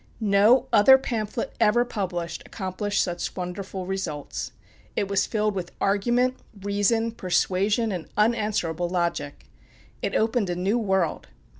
No other pamphlet ever published accomplished such wonderful results. It was filled with argument, reason, persuasion, and unanswerable logic. It opened a new world.